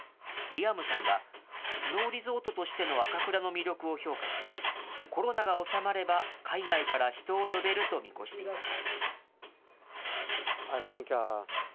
リアムさんは、スノーリゾートとしての赤倉の魅力を評価し、コロナが収まれば、海外から人を呼べると見越しています。